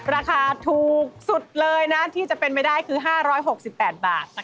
ราคาถูกสุดเลยนะที่จะเป็นไปได้คือ๕๖๘บาท